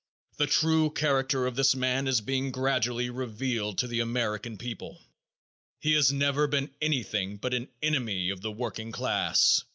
The true character of this man is being gradually revealed to the American people. He has never been anything but an enemy of the working class.